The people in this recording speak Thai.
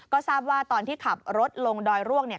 ก็ทราบว่าตอนที่ขับรถลงดอยร่วงเนี่ย